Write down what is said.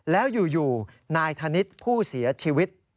แล้วอยู่นายธนิษฐ์ผู้เสียชีวิต